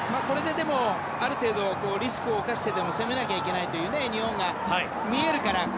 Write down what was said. これで、ある程度リスクを冒してでも攻めなきゃいけないという見えるから。